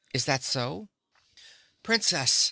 "Is that so?" "Princess!"